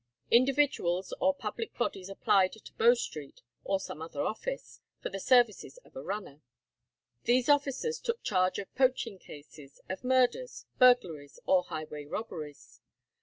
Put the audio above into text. Individuals or public bodies applied to Bow Street, or some other office, for the services of a runner. These officers took charge of poaching cases, of murders, burglaries, or highway robberies.